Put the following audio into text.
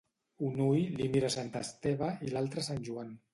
Un ull li mira a Sant Esteve i l'altre a Sant Joan.